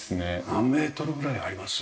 何メートルぐらいあります？